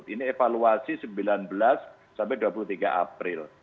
ini evaluasi sembilan belas sampai dua puluh tiga april